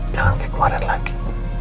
jangan kayak kemarin lagi